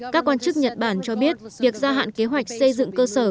các quan chức nhật bản cho biết việc gia hạn kế hoạch xây dựng cơ sở